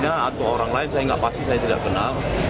atau orang lain saya nggak pasti saya tidak kenal